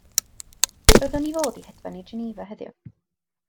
Roeddwn i fod i hedfan i Genefa heddiw.